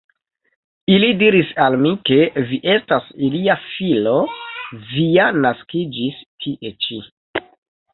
Ili diris al mi, ke vi estas ilia filo, vi ja naskiĝis tie ĉi.